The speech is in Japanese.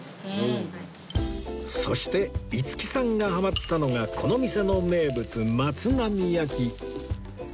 そして五木さんがハマったのがこの店の名物松浪焼き